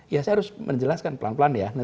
ya saya harus menjelaskan pelan pelan ya